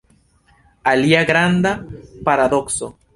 Alia granda paradokso.